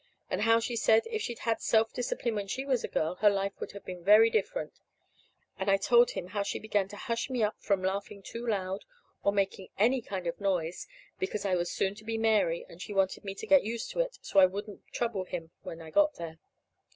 And how she said if she'd had self discipline when she was a girl, her life would have been very different. And I told him about how she began to hush me up from laughing too loud, or making any kind of noise, because I was soon to be Mary, and she wanted me to get used to it, so I wouldn't trouble him when I got here.